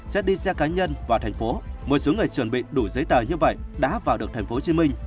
sẽ đi xe cá nhân vào thành phố một số người chuẩn bị đủ giấy tờ như vậy đã vào được thành phố hồ chí minh